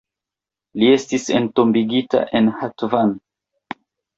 Li estis entombigita en Hatvan.